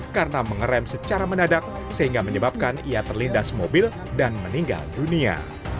karena mengeram secara menadak sehingga menyebabkan ia terlintas mobil dan meninggal dunia